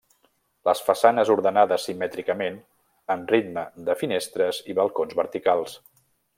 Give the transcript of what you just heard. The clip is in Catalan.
Les façanes ordenades simètricament, amb ritme de finestres i balcons verticals.